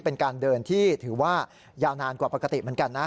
เป็นการเดินที่ถือว่ายาวนานกว่าปกติเหมือนกันนะ